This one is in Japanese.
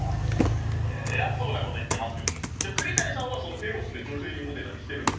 いや偉そうなこと言ってますけど栗谷さんはそのエロスで女性にモテたりしてるんですか？